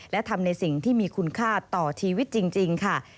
และทำในสิ่งที่มีคุณค่าต่อชีวิตจริงค่ะ